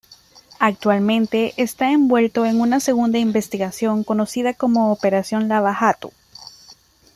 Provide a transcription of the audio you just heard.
Actualmente, está envuelto en una segunda investigación, conocida como Operación Lava Jato.